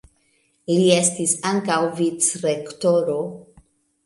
Li estis ankaŭ vicrektoro.